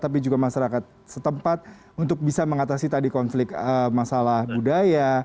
tapi juga masyarakat setempat untuk bisa mengatasi tadi konflik masalah budaya